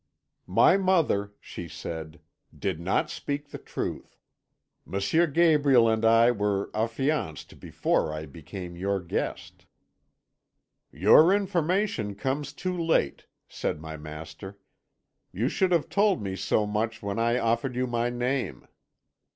"'My mother,' she said, 'did not speak the truth. M. Gabriel and I were affianced before I became your guest.' "'Your information comes too late,' said my master; 'you should have told me so much when I offered you my name.